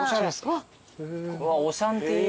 うわっオシャンティー。